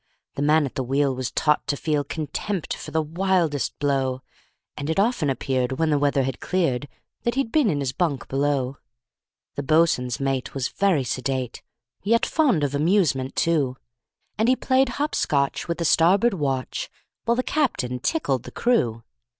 The man at the wheel was taught to feel Contempt for the wildest blow, And it often appeared, when the weather had cleared, That he'd been in his bunk below. The boatswain's mate was very sedate, Yet fond of amusement, too; And he played hop scotch with the starboard watch, While the captain tickled the crew.